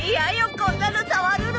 こんなの触るの。